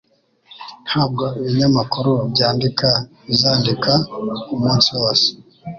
Ntabwo ibinyamakuru byandika bizandika umusi wose